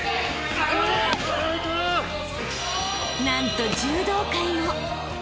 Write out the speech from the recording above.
［なんと柔道界も］